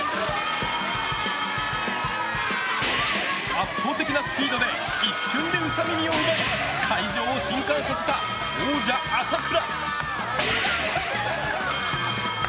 圧倒的なスピードで一瞬でウサ耳を奪い会場を震撼させた王者・朝倉。